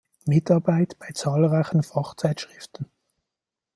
Mitarbeit bei zahlreichen Fachzeitschriften.